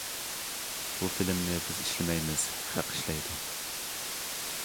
بۇ فىلىمنى بىز ئىشلىمەيمىز، خەق ئىشلەيدۇ.